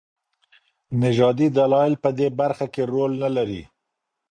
نژادي دلايل په دې برخه کي رول نلري.